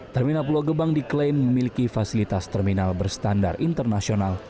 terminal pulau gebang diklaim memiliki fasilitas terminal berstandar internasional